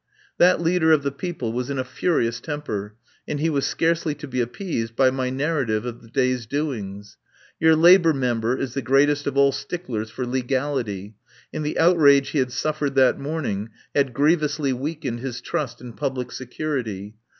That leader of the people was in a furious temper and he was scarcely to be appeased by my narrative of the day's doings. Your La bour Member is the greatest of all sticklers for legality, and the outrage he had suffered that morning had grievously weakened his trust in public security.